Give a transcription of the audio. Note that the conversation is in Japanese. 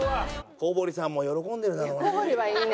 小堀さんも喜んでるだろうね。